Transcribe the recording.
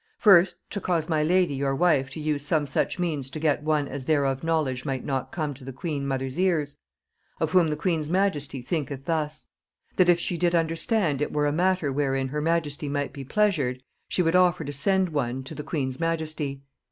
First, to cause my lady your wife to use some such means to get one as thereof knowledge might not come to the queen mother's ears, of whom the queen's majesty thinketh thus: That if she did understand it were a matter wherein her majesty might be pleasured, she would offer to send one to the queen's majesty.